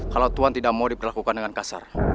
kalau tuhan tidak mau diperlakukan dengan kasar